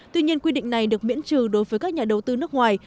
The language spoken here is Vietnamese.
tuy nhiên quy định này được miễn trừ đối với các nhà đầu tư nước ngoài